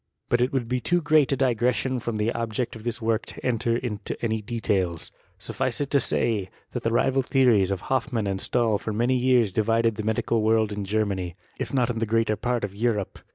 B«t it would be too great a digression from the object: of this work to enter into any details; suffice it to Bay, that the rival theories of Hoffmann and Stahl (or many years divided the medical world in Germany, if not m the greater part of Europe.